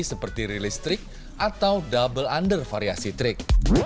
seperti release trik atau double under variasi trik